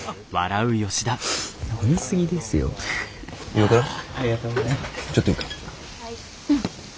岩倉ちょっといいか？